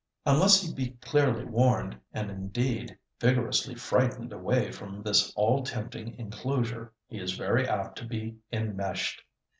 Unless he be clearly warned, and indeed vigorously frightened away from this all tempting enclosure, he is very apt to be enmeshed.